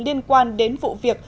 liên quan đến vụ việc